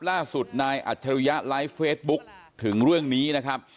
ล่าสุดนายอัจฉริยะไลฟ์เฟซบุ๊คถึงเรื่องนี้นะครับ